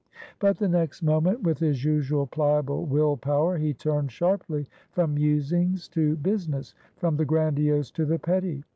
But the next moment, with his usual pliable will power, he turned sharply from musings to business, from the grandiose to the petty.